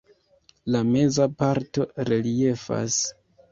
La meza parto reliefas.